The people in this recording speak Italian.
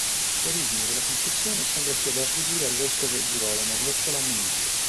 L'origine della concessione sembra sia da attribuire al vescovo Girolamo verso l'Anno Mille.